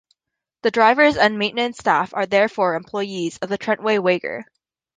The drivers and maintenance staff are therefore employees of Trentway-Wagar.